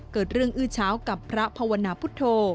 เกิดเรื่องอื้อเช้ากับพระภาวนาพุทธโธ